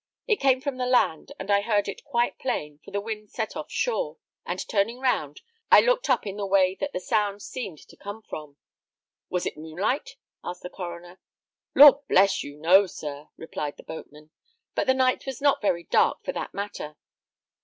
It came from the land, and I heard it quite plain, for the wind set off shore, and turning round, I looked up in the way that the sound seemed to come from " "Was it moonlight?" asked the coroner. "Lord bless you, no, sir!" replied the boatman; "but the night was not very dark, for that matter.